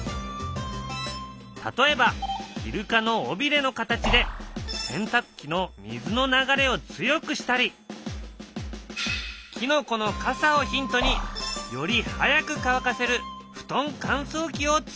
例えばイルカの尾びれの形で洗たく機の水の流れを強くしたりキノコのかさをヒントにより早く乾かせる布団かんそう機をつくったりした。